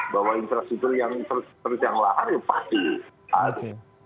bahwa infrastruktur yang terus yang lahar ya pasti ada